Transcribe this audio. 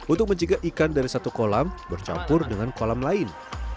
untuk menjaga ikan dari satu kolam bercampur dengan kolam lain